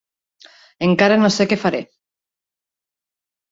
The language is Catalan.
Encara no sé què faré.